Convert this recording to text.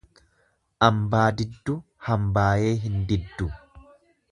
Ambaa didduu hambaayee hin diddu.